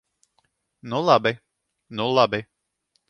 Nu labi, nu labi!